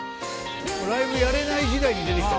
ライブやれない時代に出てきた。